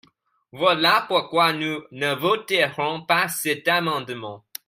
Voilà pourquoi nous ne voterons pas cet amendement.